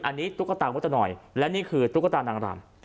อันนี้ตุ๊กตาว่าจะหน่อยและนี่คือตุ๊กตานางรำ